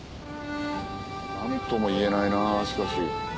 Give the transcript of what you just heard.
何とも言えないなしかし。